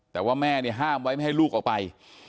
แต่ว่าแม่เนี่ยห้ามไว้ไม่ให้ลูกออกไป